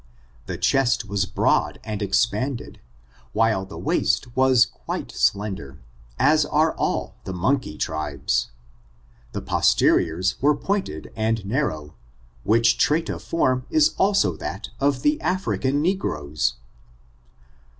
The chest was broad and expanded, while the waist was quite slender, as are all the monkey tribes. The posteriors were pointed and nar row, which trait of form is also that of the African negroes.